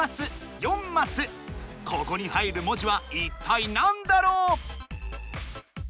ここに入る文字はいったいなんだろう？